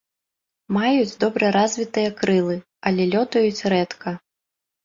Маюць добра развітыя крылы, але лётаюць рэдка.